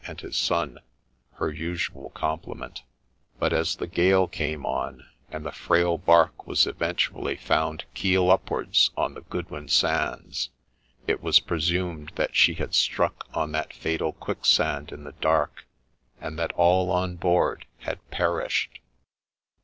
and his son, her usual complement ; but, as the gale came on, and the frail bark was eventually found keel upwards on the Goodwin Sands, it was presumed that she had struck on that fatal quicksand in the dark, and that all on board had perished.